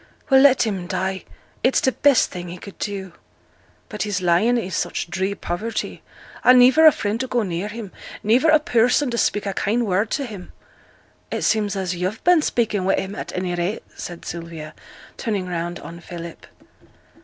'Well! let him die it's t' best thing he could do!' 'But he's lying i' such dree poverty, and niver a friend to go near him, niver a person to speak a kind word t' him.' 'It seems as yo've been speaking wi' him, at any rate,' said Sylvia, turning round on Philip.